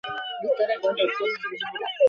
আর কারূন ছিল অন্তরে কাফির এবং দৃশ্যত মুনাফিক।